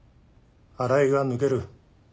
荒井が抜ける。